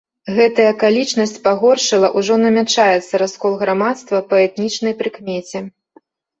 Гэтая акалічнасць пагоршыла ўжо намячаецца раскол грамадства па этнічнай прыкмеце.